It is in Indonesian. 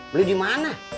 beli di mana